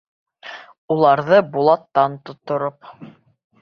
Уларҙы Булаттан тоттороп...